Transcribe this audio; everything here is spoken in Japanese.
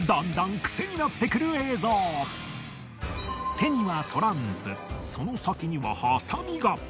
手にはトランプその先にはハサミが！